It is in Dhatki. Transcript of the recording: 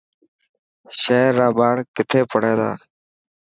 شهر را ٻاڙ کٿي پڙهي ٿا.